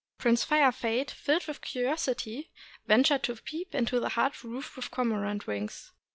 Prince Fire Fade, filled with curiosity, ventured to peep into the hut roofed with cormorant wings.